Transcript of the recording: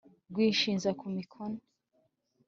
r wishinza ku mikoni